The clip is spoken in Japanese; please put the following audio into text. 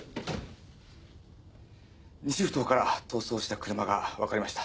西埠頭から逃走した車がわかりました。